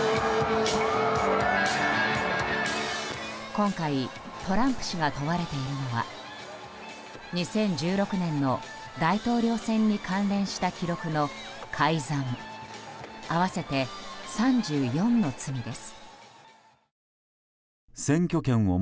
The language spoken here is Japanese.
今回トランプ氏が問われているのは２０１６年の大統領選に関連した記録の改ざん合わせて３４の罪です。